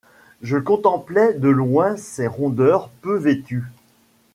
Je contemplais de loin ces rondeurs peu vêtues